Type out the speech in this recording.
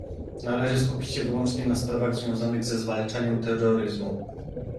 Należy skupić się wyłącznie na sprawach związanych ze zwalczaniem terroryzmu